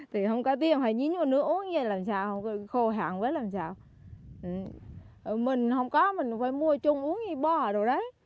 chúng tôi không có mình phải mua chung uống đi bỏ rồi đấy